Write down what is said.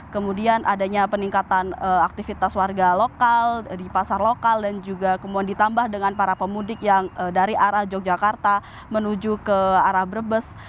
kemudian adanya peningkatan aktivitas warga lokal di pasar lokal dan juga kemudian ditambah dengan para pemudik yang dari arah yogyakarta menuju ke arah brebes